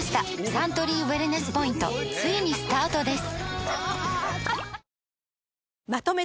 サントリーウエルネスポイントついにスタートです！